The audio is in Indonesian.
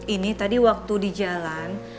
ini tadi waktu di jalan